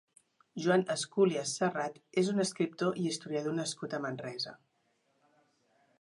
Joan Esculies Serrat és un escriptor i historiador nascut a Manresa.